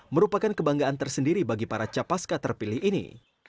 merupakan kebanggaan tersendiri bagi para capaska terpilih ini